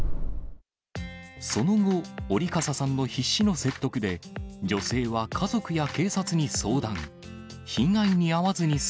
その後、折笠さんの必死の説得で、女性は家族や警察に相談。